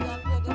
eh gak pernah